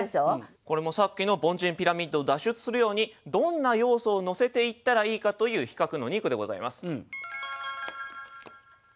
これもさっきの凡人ピラミッドを脱出するようにどんな要素を乗せていったらいいかという比較の２句でございます。